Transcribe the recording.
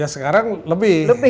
ya sekarang lebih